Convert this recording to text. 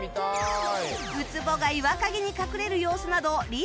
ウツボが岩陰に隠れる様子などリアルに再現